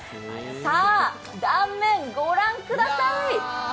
さあ、断面ご覧ください。